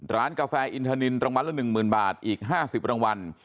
กาแฟอินทานินรางวัลละ๑๐๐๐บาทอีก๕๐รางวัล